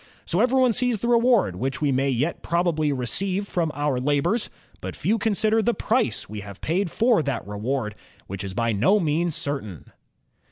So everyone sees the reward which we may yet probably receive from our labors; but few consider the price we have paid for that reward, which is by no means certain."